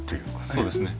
そうですね。